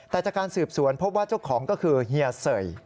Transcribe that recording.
แต่จากการสืบสวนพบว่าเจ้าของก็คือเฮียเสย